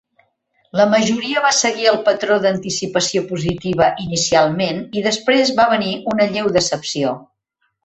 La majoria va seguir el patró d'anticipació positiva inicialment, i després va venir una lleu decepció.